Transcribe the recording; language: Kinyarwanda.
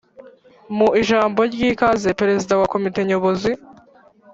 mu ijambo ry’ikaze, perezida wa komite nyobozi